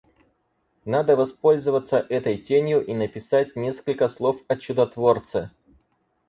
Надо воспользоваться этой тенью и написать несколько слов о чудотворце.